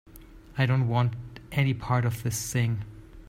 I don't want any part of this thing.